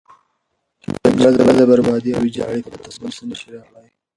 جګړه د بربادي او ویجاړي پرته بل څه نه شي راوړی.